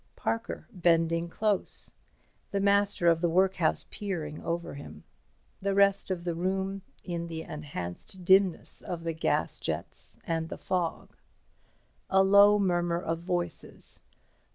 Parker bending close. The Master of the Workhouse peering over him. The rest of the room in the enhanced dimness of the gas jets and the fog. A low murmur of voices.